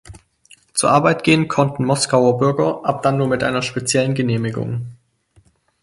Zur Arbeit gehen konnten Moskauer Bürger ab dann nur mit einer speziellen Genehmigung.